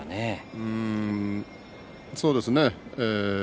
うんそうですね。